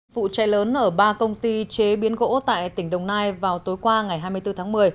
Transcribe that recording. vụ cháy lớn ở ba công ty chế biến gỗ tại tỉnh đồng nai vào tối qua ngày hai mươi bốn tháng một mươi